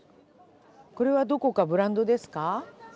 これはどこかブランドですか？